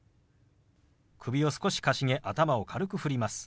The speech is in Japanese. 首を少しかしげ頭を軽く振ります。